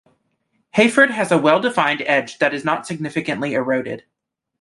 Hayford has a well-defined edge that is not significantly eroded.